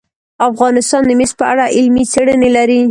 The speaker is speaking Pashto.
افغانستان د مس په اړه علمي څېړنې لري.